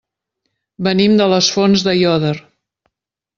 Venim de les Fonts d'Aiòder.